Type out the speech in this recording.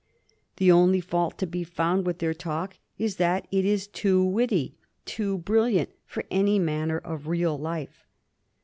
The only fault to be found with their talk is that it is too witty, too brilliant, for any manner of real life.